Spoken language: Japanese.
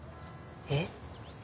えっ？